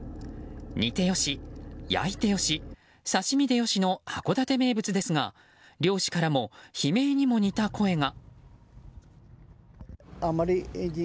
煮てよし、焼いてよし刺し身でよしの函館名物ですが漁師からも悲鳴にも似た声が。